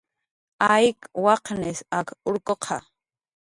Ayk waqnis ak urkuqa